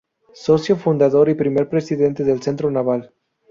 Socio fundador y primer Presidente del Centro Naval.